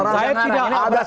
saya tidak mengarahkan